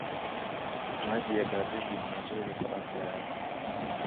Maji ya baridi ni mazuri kwa afya yako